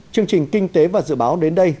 chương trình kinh tế và dự báo đến đây